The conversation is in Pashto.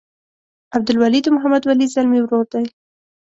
عبدالولي د محمد ولي ځلمي ورور دی.